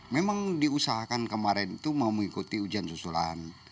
memang diusahakan kemarin itu mau mengikuti ujian susulan